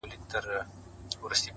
د زړه كاڼى مــي پــر لاره دى لــوېـدلى.